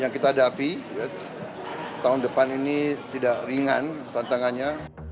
kelebihan ini tidak ringan tantangannya